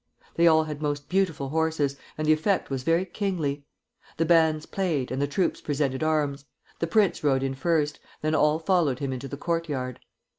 They all had most beautiful horses, and the effect was very kingly. The bands played, and the troops presented arms. The prince rode in first, then all followed him into the courtyard.